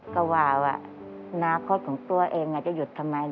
ก็ว่าว่าอนาคตของตัวเองจะหยุดทำไม